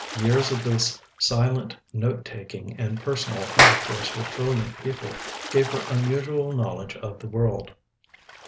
Years of this silent note taking and personal intercourse with brilliant people gave her unusual knowledge of the world.